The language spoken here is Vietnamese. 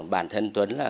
bản thân tuấn là